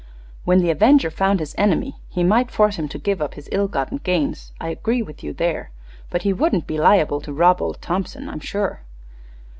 When the avenger found his enemy he might force him to give up his ill gotten gains; I agree with you there; but he wouldn't be liable to rob old Thompson, I'm sure."